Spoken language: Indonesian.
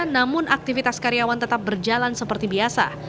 namun aktivitas karyawan tetap berjalan seperti biasa